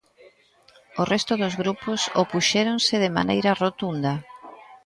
O resto dos grupos opuxéronse de maneira rotunda.